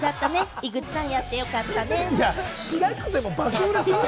井口さん、やってよかったね。